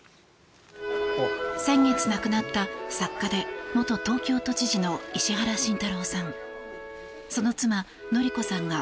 先月亡くなった作家で元東京都知事の石原慎太郎さん。